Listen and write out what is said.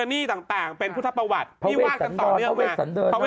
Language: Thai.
นี่ต่างต่างเป็นพุทธภรรณ์ประวัติเครื่องการเลี่ยงง่ายภาวะ